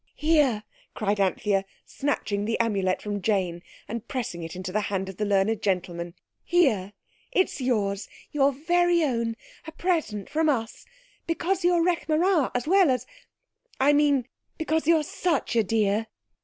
"Here!" cried Anthea, snatching the Amulet from Jane and pressing it into the hand of the learned gentleman. "Here—it's yours—your very own—a present from us, because you're Rekh marā as well as... I mean, because you're such a dear."